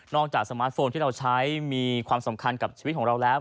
จากสมาร์ทโฟนที่เราใช้มีความสำคัญกับชีวิตของเราแล้ว